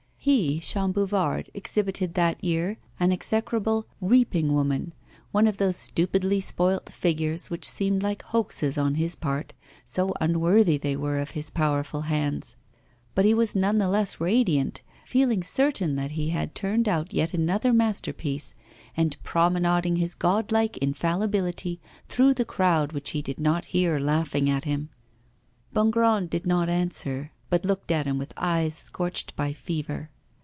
He, Chambouvard, exhibited that year an execrable 'Reaping Woman,' one of those stupidly spoilt figures which seemed like hoaxes on his part, so unworthy they were of his powerful hands; but he was none the less radiant, feeling certain that he had turned out yet another masterpiece, and promenading his god like infallibility through the crowd which he did not hear laughing at him. Bongrand did not answer, but looked at him with eyes scorched by fever.